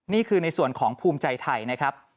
นี่คือในส่วนของภูมิใจไทยนะครับ